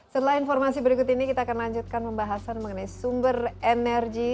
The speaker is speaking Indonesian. setelah informasi berikut ini kita akan lanjutkan pembahasan mengenai sumber energi